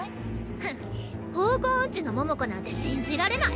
フン方向おんちの桃子なんて信じられない。